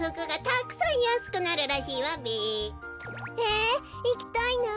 えいきたいな。